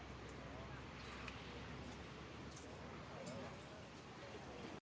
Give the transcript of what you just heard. เมื่อเวลาเมื่อเวลาเมื่อเวลาเมื่อเวลา